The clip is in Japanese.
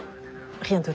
ありがとな。